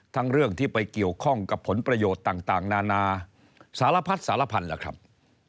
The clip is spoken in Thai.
เรื่องที่ไปเกี่ยวข้องกับผลประโยชน์ต่างนานาสารพัดสารพันธุ์ล่ะครับ